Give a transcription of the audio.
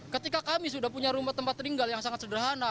ketika kami sudah punya rumah tempat tinggal yang sangat sederhana